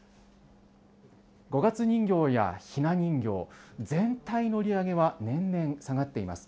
五月人形や、ひな人形、全体の売り上げは年々下がっています。